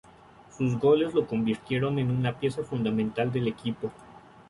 Sus goles lo convirtieron en una pieza fundamental del equipo.